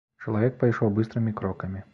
Чалавек пайшоў быстрымі крокамі.